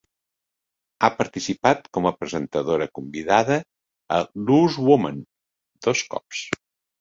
Ha participat com a presentadora convidada a "Loose Women" dos cops.